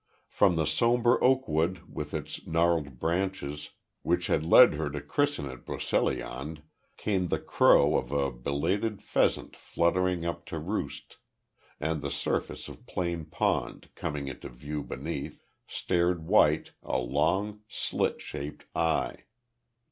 From the sombre oak wood with its gnarled branches which had led her to christen it Broceliande, came the crow of a belated pheasant fluttering up to roost, and the surface of Plane Pond, coming into view beneath, stared white, a long, slit shaped eye.